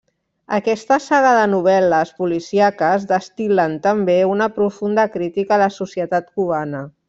Aquesta saga de novel·les policíaques destil·len també una profunda crítica de la societat cubana.